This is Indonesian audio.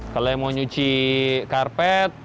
kalau yang mau nyuci karpet